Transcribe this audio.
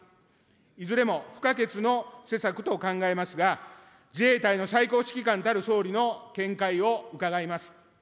いずれも不可欠の施策と考えますが、自衛隊の最高指揮官たる総理の見解を伺います。